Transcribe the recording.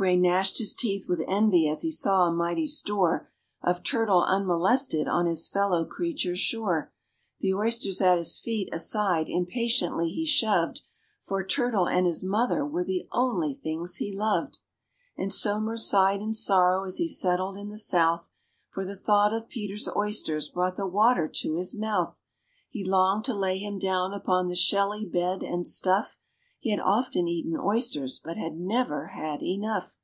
GRAY gnashed his teeth with envy as he saw a mighty store Of turtle unmolested on his fellow creature's shore. The oysters at his feet aside impatiently he shoved, For turtle and his mother were the only things he loved. And SOMERS sighed in sorrow as he settled in the south, For the thought of PETER'S oysters brought the water to his mouth. He longed to lay him down upon the shelly bed, and stuff; He had often eaten oysters, but had never had enough.